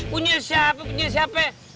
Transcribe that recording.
punya siapa punya siapa